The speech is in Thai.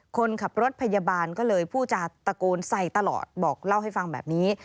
คนขับรถพยาบาลก็เลยพูดจาตะโกนใส่ตลอดบอกเล่าให้ฟังแบบนี้